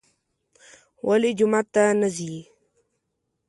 ولې جومات ته نه ځي.